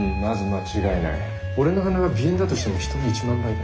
俺の鼻は鼻炎だとしても人の１万倍だ。